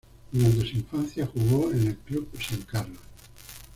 Durante su infancia jugó en el Club San Carlos.